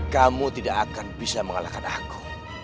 kamu tidak akan bisa mengalahkan aku